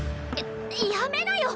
ややめなよ